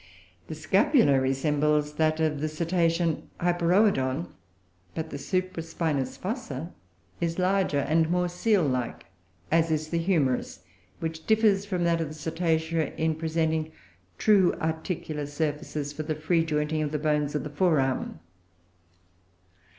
The scapula resembles that of the cetacean Hyperoodon, but the supra spinous fossa is larger and more seal like; as is the humerus, which differs from that of the Cetacea in presenting true articular surfaces for the free jointing of the bones of the fore arm.